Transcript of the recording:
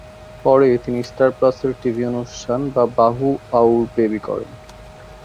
পরে তিনি স্টার প্লাস-এর টিভি অনুষ্ঠান বা বাহু অউর বেবি করেন।